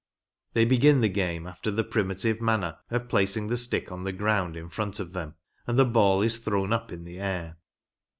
They begin the game after the primitive manner, of placing the stick on the ground in front of them, and the ball is thrown up in the air.